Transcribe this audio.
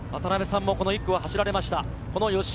渡辺さんも１区を走られました。